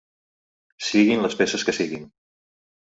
Siguin les peces que siguin.